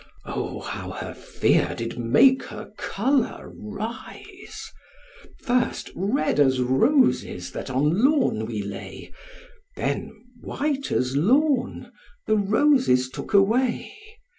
O, how her fear did make her colour rise! First red as roses that on lawn we lay, Then white as lawn, the roses took away.